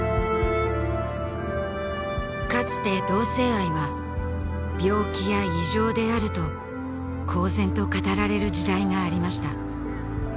かつて同性愛は病気や異常であると公然と語られる時代がありました